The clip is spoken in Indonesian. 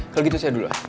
kalau gitu saya dulu ya